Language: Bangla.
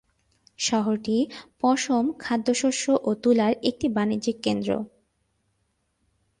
শহরটি পশম, খাদ্যশস্য ও তুলার একটি বাণিজ্যিক কেন্দ্র।